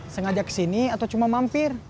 sengaja kesini atau cuma mampir